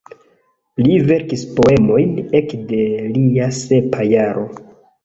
Li verkis poemojn ekde lia sepa jaro.